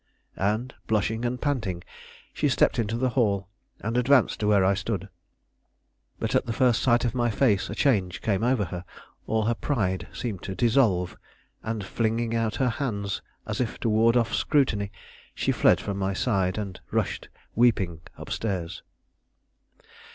And, blushing and panting, she stepped into the hall and advanced to where I stood. But at the first sight of my face, a change came over her; all her pride seemed to dissolve, and, flinging out her hands, as if to ward off scrutiny, she fled from my side, and rushed weeping up stairs.